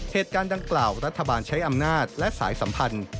เหตุการณ์ดังกล่าวรัฐบาลใช้อำนาจและสายสัมพันธ์